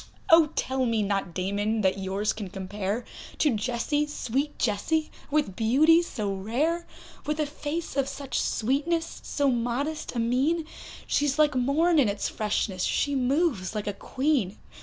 Oh! tell me not Damon, that yours can compare To Jessie, sweet Jessie, with beauty so rare; With a face of such sweetness, so modest a mien, She's like morn in its freshness, she moves like a Queen.